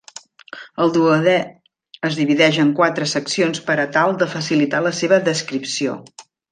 El duodè es divideix en quatre seccions per a tal de facilitar la seva descripció.